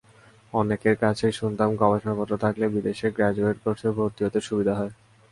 অনেকের কাছেই শুনতাম গবেষণাপত্র থাকলে বিদেশে গ্র্যাজুয়েট কোর্সে ভর্তি হতে সুবিধা হয়।